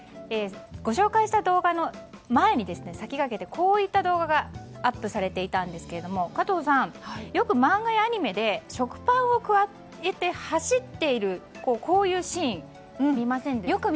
ご紹介した動画の前に先駆けてこういった動画がアップされていたんですが加藤さん、よく漫画やアニメで食パンをくわえて走っているシーン見ませんでした？